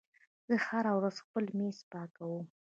زه هره ورځ خپل میز پاکوم.